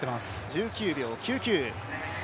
１９秒９９。